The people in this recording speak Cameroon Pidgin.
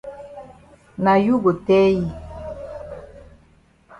Na you go tell yi.